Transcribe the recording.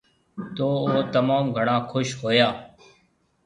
تو او تموم گھڻا خُوش ھويا